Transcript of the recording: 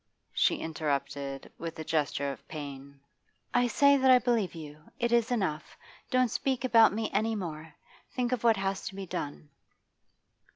she interrupted, with a gesture of pain. 'I say that I believe you. It is enough. Don't speak about me any more. Think of what has to be done.